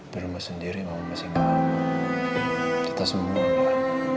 di rumah sendiri mama masih gak apa apa